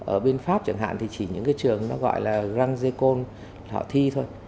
ở bên pháp chẳng hạn thì chỉ những cái trường nó gọi là grand jécon họ thi thôi